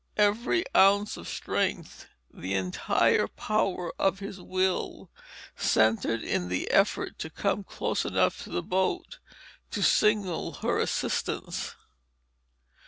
Every ounce of strength, the entire power of his will centered in the effort to come close enough to the boat to signal her assistance.